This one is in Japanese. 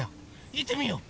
いってみよう！